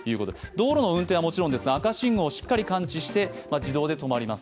道路の運転はもちろんですが、赤信号をしっかり感知して自動で止まります。